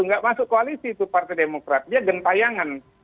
tidak masuk koalisi itu partai demokrasi dia gentayangan